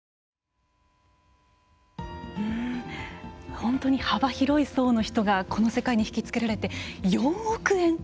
本当に幅広い層の人がこの世界に引き付けられて４億円？